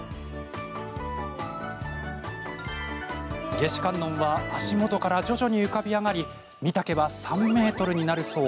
夏至観音は足元から徐々に浮かび上がり身丈は３ｍになるそう。